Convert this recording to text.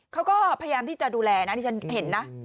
เขาก็พยายามที่จะดูแลนะที่ฉันเห็นนะ